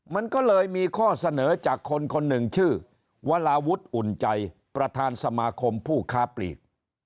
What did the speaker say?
มันก็เลยมีข้อเสนอจากคนคนหนึ่งชื่อวราวุฒิอุ่นใจประธานสมาคมผู้ค้าปลีก